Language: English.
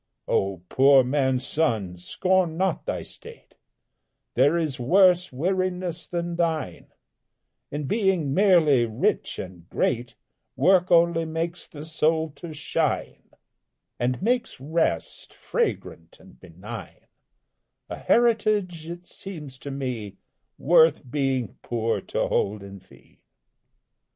Oh! poor man's son, scorn not thy state, There is worse weariness than thine In being merely rich and great; Work only makes the soul to shine, And makes rest fragrant and benign A heritage, it seems to me, Worth being poor to hold in fee.